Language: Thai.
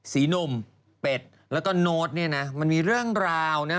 หนุ่มเป็ดแล้วก็โน้ตเนี่ยนะมันมีเรื่องราวนะ